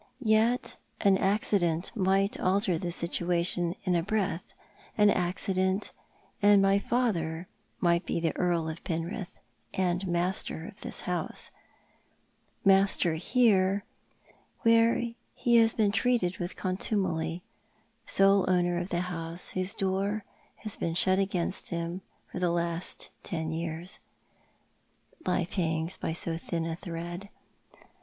Yet an accident might alter the situation in a breath ; an accident, and my father might be Earl of Penrith and master of this house— master here, where he has been treated with coutun^ely; sole owner of the house whose door has been shut against him for the last ten years. Life hangs h\ so thin a thread.